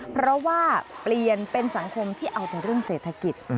เพราะว่าเปลี่ยนเป็นสังคมที่เอาแต่เรื่องเศรษฐกิจ